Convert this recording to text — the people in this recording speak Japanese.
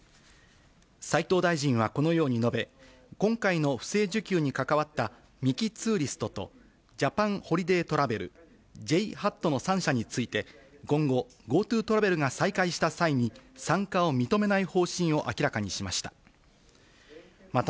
斉藤大臣はこのように述べ、今回の不正受給に関わったミキ・ツーリストと、ジャパンホリデートラベル、ＪＨＡＴの３社について、今後、ＧｏＴｏトラベルが再開した際に、参加を認めない方針を明らかにしました。